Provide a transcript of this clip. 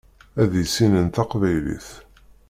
Ad issinen taqbaylit.